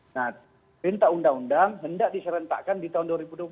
nah perintah undang undang hendak diserentakkan di tahun dua ribu dua puluh